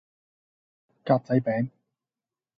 格仔餅